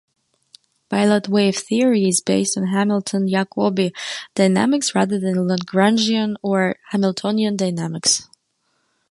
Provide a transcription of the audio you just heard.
Pilot Wave theory is based on Hamilton-Jacobi dynamics rather than Lagrangian or Hamiltonian dynamics.